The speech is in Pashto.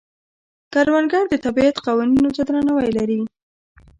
کروندګر د طبیعت قوانینو ته درناوی لري